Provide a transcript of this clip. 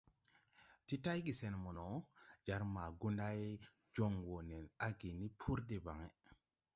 Ti tayge sen mo no, jar ma Goundaye joŋ wo nen áge ni puri debaŋ.